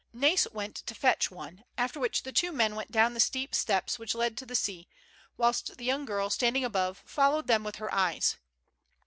Na'is went to fetch one, after which, the two men went down the steep steps which led to the sea, whilst the young girl, standing above, followed them with her eyes.